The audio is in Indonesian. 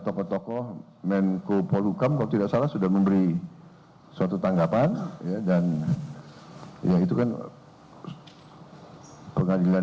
tokoh tokoh menko polhukam kalau tidak salah sudah memberi suatu tanggapan ya dan ya itu kan pengadilan